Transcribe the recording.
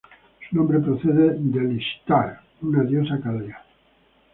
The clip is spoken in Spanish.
Su nombre procede del de Ishtar, una diosa acadia.